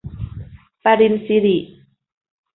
ปริญสิริ